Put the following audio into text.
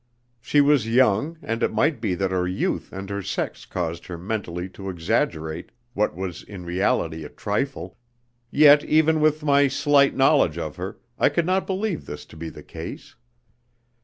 She was young, and it might be that her youth and her sex caused her mentally to exaggerate what was in reality a trifle; yet, even with my slight knowledge of her, I could not believe this to be the case.